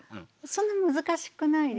そんな難しくないですね。